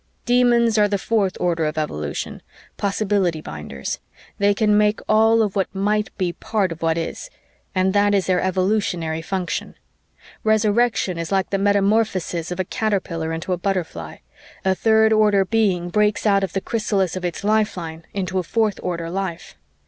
"Demons are the fourth order of evolution, possibility binders they can make all of what might be part of what is, and that is their evolutionary function. Resurrection is like the metamorphosis of a caterpillar into a butterfly: a third order being breaks out of the chrysalis of its lifeline into fourth order life.